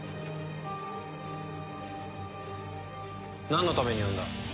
なんのために呼んだ？